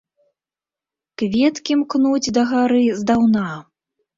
Кветкі мкнуць дагары здаўна.